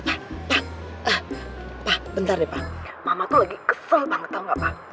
eh eh tapi pa pa pa pa bentar deh pa mama tuh lagi kesel banget tau gak pa